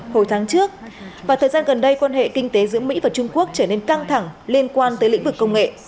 hồi tháng trước và thời gian gần đây quan hệ kinh tế giữa mỹ và trung quốc trở nên căng thẳng liên quan tới lĩnh vực công nghệ